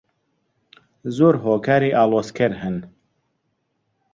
زۆر هۆکاری ئاڵۆزکەر هەن.